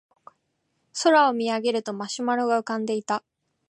空を見上げるとマシュマロが浮かんでいた